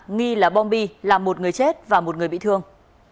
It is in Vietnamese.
nghi là bom bi làm một người chết và một người bị thương